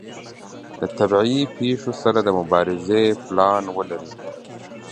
د طبیعي پیښو سره د مبارزې پلان ولري.